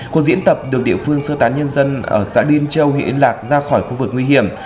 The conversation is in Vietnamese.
cuộc diễn tập được địa phương sơ tán nhân dân ở xã điên châu huyện yên lạc ra khỏi khu vực nguy hiểm